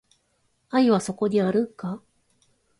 愛はそこにあるんか